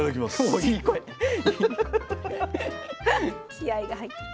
気合いが入ってる。